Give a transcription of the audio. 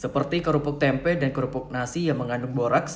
seperti kerupuk tempe dan kerupuk nasi yang mengandung boraks